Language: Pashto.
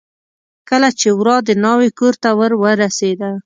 کله چې ورا د ناوې کورته ور ورسېده.